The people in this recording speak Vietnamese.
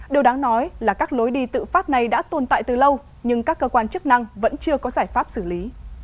điều đáng nói là các lối đi tự phát này đã tồn tại từ lâu nhưng các cơ quan chức năng vẫn chưa có giải pháp xử lý